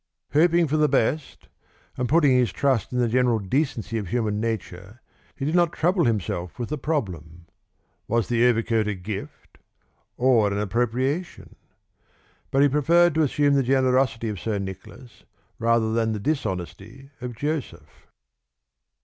Hoping for the best, and putting his trust in the general decency of human nature, he did not trouble himself with the problem: was the overcoat a gift or an appropriation? But he preferred to assume the generosity of Sir Nicholas rather than the dishonesty of Joseph.